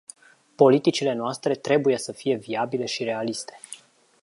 Politicile noastre trebuie să fie viabile și realiste.